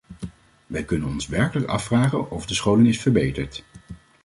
Wij kunnen ons werkelijk afvragen of de scholing is verbeterd.